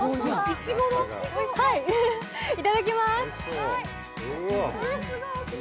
いただきまーす。